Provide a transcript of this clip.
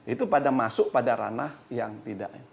itu pada masuk pada ranah yang tidak